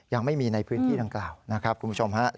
ยังไม่มีในพื้นที่ดังกล่าวนะครับคุณผู้ชมฮะ